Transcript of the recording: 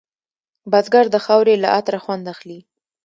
بزګر د خاورې له عطره خوند اخلي